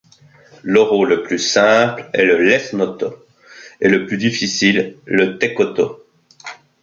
L'oro le plus simple est le lesnoto, et le plus difficile, le techkoto.